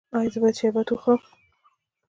ایا زه باید شربت وخورم؟